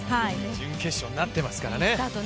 準決勝になっていますからね。